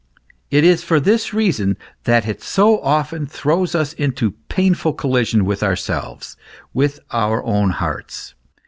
It is for this reason that it so often throws us into painful collision with ourselves, with our own hearts.